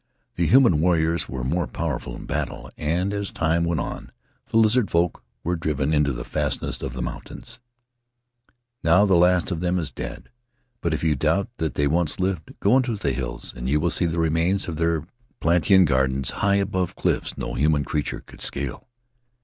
The human warriors were more powerful in battle, and as time went on the Lizard Folk were driven into the fastnesses of the mountains. Now the last of them is dead, but if you doubt that they once lived, go into the hills and you will see the remains of their plantain gardens high Faery Lands of the South Seas above cliffs no human creature could scale.